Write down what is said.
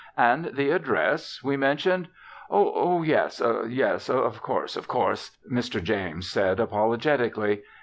"And the address?" we mentioned. "Oh, yes oh, yes; of course of course," Mr. James said apologetically.